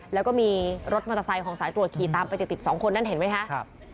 แล้วก็มีรถมอเตอร์ไซค์ของสายตรวจขี่ตามไปติดสองคนนั่นเห็นไหมคะ